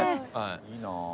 いいなあ。